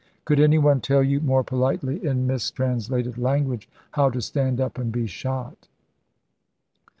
Could any one tell you more politely, in mistrans lated language, how to stand up and be shot?